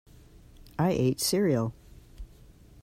I ate cereal.